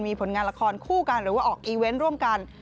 มีผลงานละครคู่กันหรือว่าออกอีเวนต์ร่วมกัน